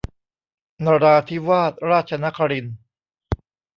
นราธิวาสราชนครินทร์